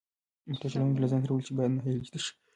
موټر چلونکي له ځان سره وویل چې باید ناهیلی نشي.